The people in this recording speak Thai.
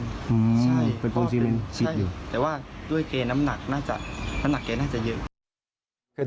ใช่แต่ว่าด้วยเกณฑ์น้ำหนักน่าจะเยอะ